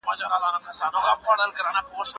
زه پرون چايي وڅښلې!